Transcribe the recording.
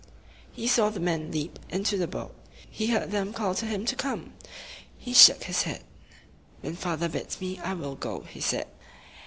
He saw the men leap into the boat. He heard them call to him to come. He shook his head. "When father bids me, I will go," he said.